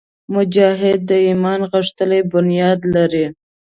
مجاهد د ایمان غښتلی بنیاد لري.